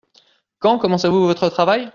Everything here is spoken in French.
Quand commencez-vous votre travail ?